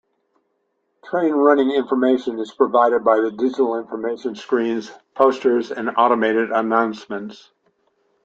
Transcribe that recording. Train running information is provided by digital information screens, posters and automated announcements.